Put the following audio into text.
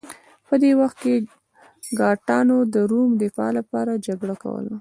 په دې وخت کې ګاټانو د روم دفاع لپاره جګړه کوله